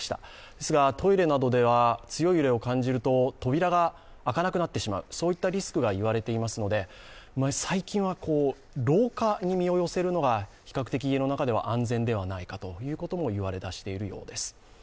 ですがトイレなどでは強い揺れを感じると扉が開かなくなってしまうリスクが言われていますので最近は廊下に実を寄せるのが比較的家の中では安全ではないかということもいわれ出しているようです。